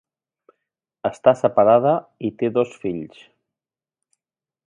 Esta separada i té dos fills.